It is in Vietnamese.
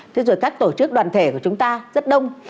thế rồi các tổ chức đoàn thể của chúng ta rất đông